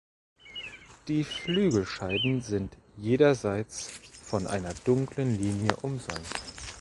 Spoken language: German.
Die Flügelscheiden sind jederseits von einer dunklen Linie umsäumt.